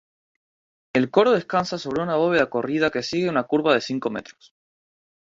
El coro descansa sobre una bóveda corrida que sigue una curva de cinco metros.